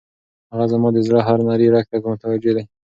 هغه زما د زړه هر نري رګ ته متوجه ده.